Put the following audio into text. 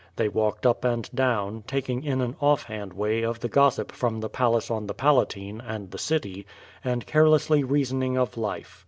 They walked up and down, talking in an oiF hand way of the gossip from the palace on the Palatine, and the city; and carelessly reasoning of life.